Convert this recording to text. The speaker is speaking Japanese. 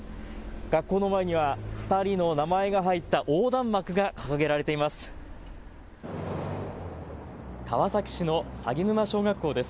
学校の前には２人の名前が入った横断幕が掲げられています。